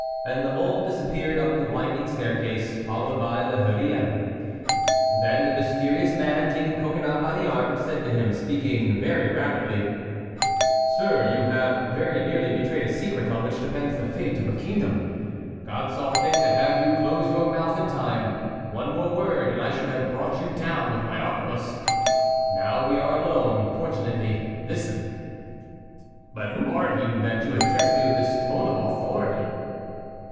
and La Mole disappeared up the winding staircase, followed by La Hurière. Then the mysterious man, taking Coconnas by the arm, said to him, speaking very rapidly: "Sir, you have very nearly betrayed a secret on which depends the fate of a kingdom. God saw fit to have you close your mouth in time. One word more, and I should have brought you down with my arquebuse. Now we are alone, fortunately; listen!" "But who are you that you address me with this tone of authority?"